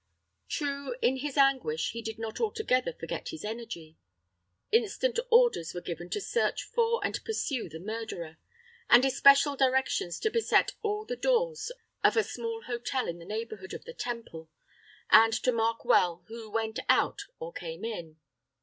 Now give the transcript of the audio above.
True, in his anguish he did not altogether forget his energy. Instant orders were given to search for and pursue the murderer; and especial directions to beset all the doors of a small hotel in the neighborhood of the Temple, and to mark well who went out or came in.